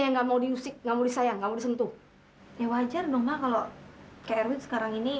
enggak mau diusik kamu disayang kau sentuh ya wajar dong kalau kaya rwit sekarang ini